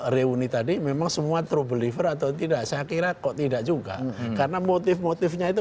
reuni tadi memang semua true believer atau tidak sekiranya kok tidak juga karena motif motifnya itu